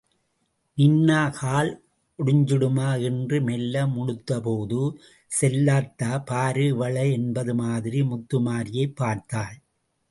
நின்னா கால் ஒடுஞ்சுடுமா... என்று மெல்ல முணுத்தபோது, செல்லாத்தா, பாரு இவள... என்பது மாதிரி முத்துமாரியைப் பார்த்தாள்.